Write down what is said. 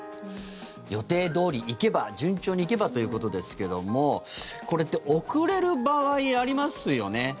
予定どおりいけば順調にいけばということですけどこれって遅れる場合ありますよね。